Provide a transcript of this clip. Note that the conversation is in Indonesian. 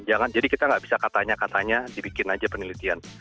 jangan jadi kita nggak bisa katanya katanya dibikin aja penelitian